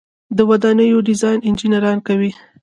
د ودانیو ډیزاین انجنیران کوي